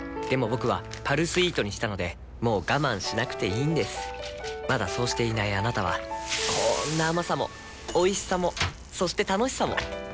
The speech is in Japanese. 僕は「パルスイート」にしたのでもう我慢しなくていいんですまだそうしていないあなたはこんな甘さもおいしさもそして楽しさもあちっ。